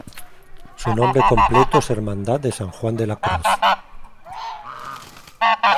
Su nombre completo es Hermandad de San Juan de la Cruz.